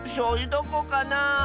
どこかなあ。